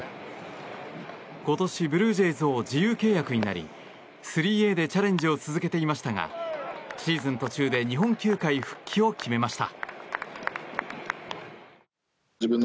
今年ブルージェイズを自由契約になり３Ａでチャレンジを続けていましたがシーズン途中で日本球界復帰を決めました。